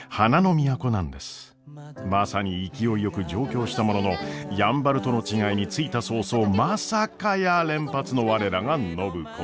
まさに勢いよく上京したもののやんばるとの違いに着いた早々まさかやー連発の我らが暢子。